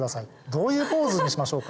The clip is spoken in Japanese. どういうポーズにしましょうか。